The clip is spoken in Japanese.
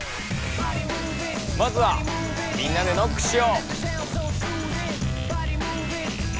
まずはみんなでノックしよう！